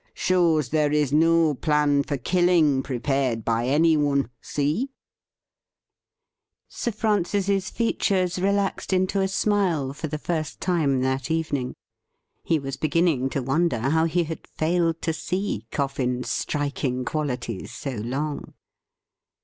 Shows there is no plan for killing prepared by anyone. See .P' Sir Francis's features relaxed into a smile for the first time that evening. He was beginning to wonder how he had failed to see Coffin's striking qualities so long.